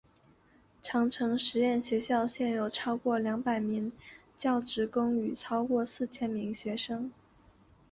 长城实验学校现有超过两百名教职工与超过四千名学生。